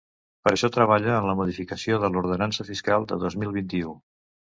Per a això treballa en la modificació de l’ordenança fiscal de dos mil vint-i-u.